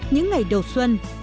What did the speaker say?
những ngày đầu xuân